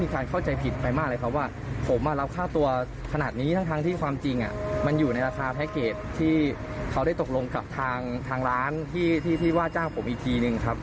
เขาได้ตกลงกับทางร้านที่ว่าจ้างผมอีกทีนึงครับ